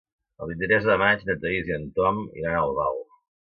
El vint-i-tres de maig na Thaís i en Tom iran a Albal.